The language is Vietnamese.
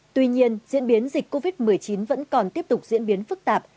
tuy nhiên diễn biến dịch covid một mươi chín vẫn còn tiếp tục diễn biến phức tạp